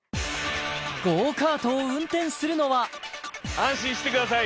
ゴーカートを運転するのは安心してください